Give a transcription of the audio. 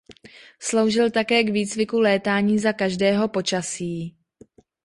Sloužil také k výcviku létání za každého počasí.